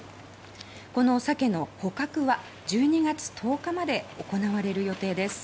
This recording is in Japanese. このサケの捕獲は１２月１０日まで行われる予定です。